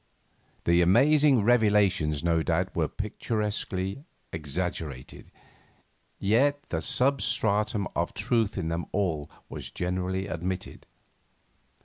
The amazing revelations no doubt were picturesquely exaggerated, yet the sub stratum of truth in them all was generally admitted.